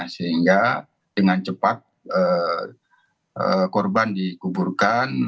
sehingga dengan cepat korban dikuburkan